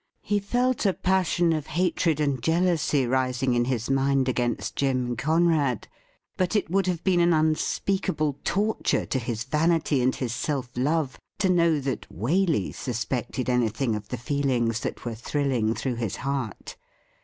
He felt a passion of hatred and jealousy rising in his mind against Jim Conrad. But it would have been an unspeakable torture to his vanity and his self love to know that Waley suspected anything of the feelings that were thrilling through his heart.